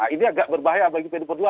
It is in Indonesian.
ini agak berbahaya bagi pdip